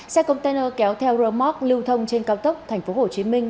xe container kéo theo rơ móc lưu thông trên cao tốc thành phố hồ chí minh